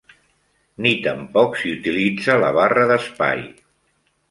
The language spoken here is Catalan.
Ni tampoc s'hi utilitza la barra d'espai.